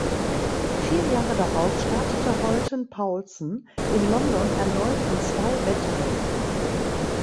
Vier Jahre darauf startete Holten Poulsen in London erneut in zwei Wettkämpfen.